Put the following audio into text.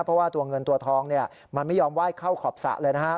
เพราะว่าตัวเงินตัวทองเนี่ยมันไม่ยอมไหว้เข้าขอบสระเลยนะครับ